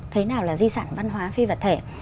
thế nào là di sản văn hóa phi vật thể